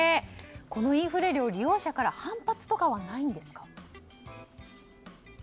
このインフレ料、利用者から反発とかはないんですか？